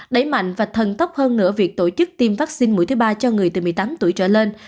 đẩy mạnh và thần tốc hơn nữa việc tổ chức tiêm vaccine mũi thứ ba cho người từ một mươi tám tuổi trở lên